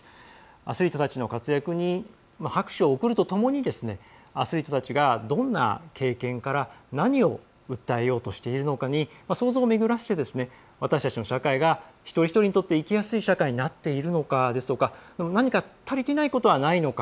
アスリートたちの活躍に拍手を送るとともにアスリートたちがどんな経験から何を訴えようとしているのかに想像を巡らせて、私たちの社会が一人一人にとって生きやすい社会になっているのかですとか何か足りていないことはないのか。